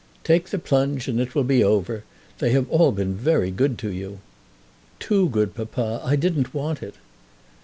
"Take the plunge and it will be over. They have all been very good to you." "Too good, papa. I didn't want it."